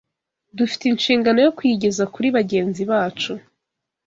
dufite inshingano yo kuyigeza kuri bagenzi bacu.